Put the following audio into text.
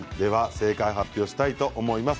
正解を発表したいと思います。